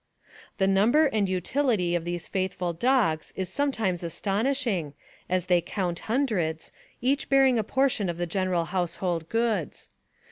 The number and utility of these faithful dogs is sometimes astonishing, as they count hundreds, each bearing a portion of the general household goods.